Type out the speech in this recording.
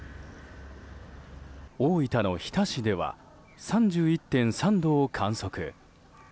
大分の日田市では３１．３度を観測。